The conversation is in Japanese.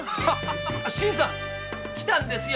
新さんきたんですよ